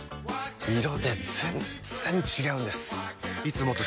色で全然違うんです！